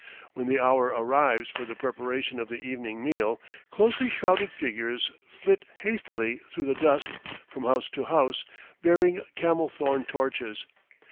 When the hour arrives for the preparation of the evening meal, closely shrouded figures flit hastily through the dusk from house to house, bearing camel thorn torches.